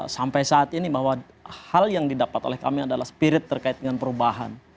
sampai saat ini bahwa hal yang didapat oleh kami adalah spirit terkait dengan perubahan